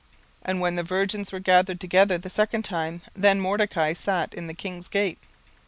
17:002:019 And when the virgins were gathered together the second time, then Mordecai sat in the king's gate.